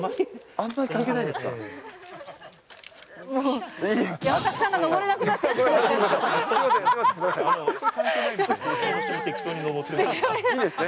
あんまり関係ないですか？